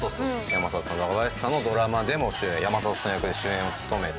山里さん若林さんのドラマでも主演山里さん役で主演を務めて。